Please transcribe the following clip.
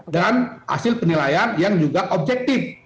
dan hasil penilaian yang juga objektif